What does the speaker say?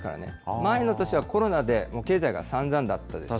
前の年はコロナで経済が散々だったですよね。